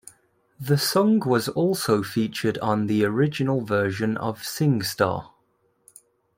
The song was also featured on the original version of "Singstar".